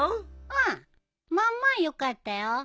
うん！まあまあよかったよ。